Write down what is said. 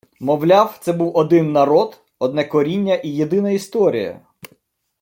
Мовляв, це був один народ, одне коріння і єдина історія